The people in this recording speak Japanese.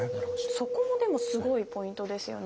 そこもでもすごいポイントですよね。